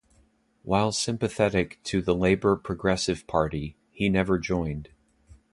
While sympathetic to the Labor-Progressive Party he never joined.